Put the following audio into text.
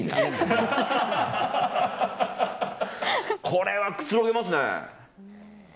これはくつろげますね。